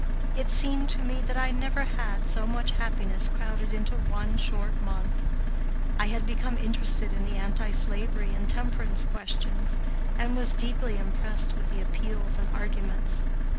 It seemed to me that I never had so much happiness crowded into one short month. I had become interested in the anti slavery and temperance questions, and was deeply impressed with the appeals and arguments.